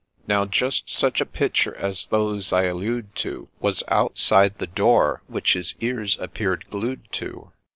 ' Now, just such a ' Pitcher ' as those I allude to Was outside the door, which his ' ears ' appeared glued to.